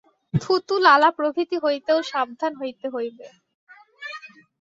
থুতু, লালা প্রভৃতি হইতেও সাবধান হইতে হইবে।